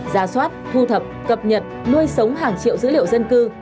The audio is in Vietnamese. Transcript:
ra soát thu thập cập nhật nuôi sống hàng triệu dữ liệu dân cư